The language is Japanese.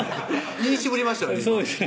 言い渋りましたよね